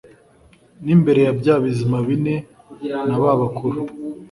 n’imbere ya bya bizima bine na ba bakuru.